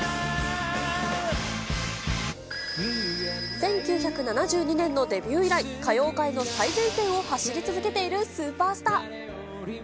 １９７２年のデビュー以来、歌謡界の最前線を走り続けているスーパースター。